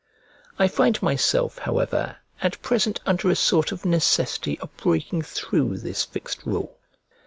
I find myself, however, at present under a sort of necessity of breaking through this fixed rule.